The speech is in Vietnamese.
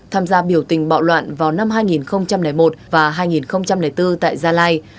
tham gia biểu tình bạo loạn vào năm hai nghìn một và hai nghìn bốn tại gia lai